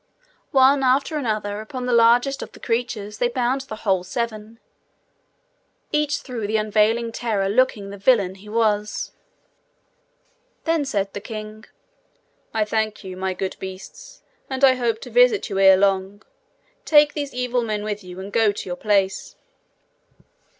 One after another, upon the largest of the creatures they bound the whole seven, each through the unveiling terror looking the villain he was. Then said the king: 'I thank you, my good beasts; and I hope to visit you ere long. Take these evil men with you, and go to your place.'